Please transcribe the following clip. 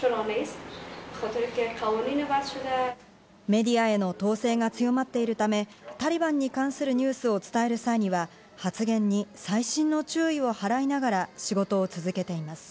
メディアへの統制が強まっているため、タリバンに関するニュースを伝える際には、発言に細心の注意を払いながら、仕事を続けています。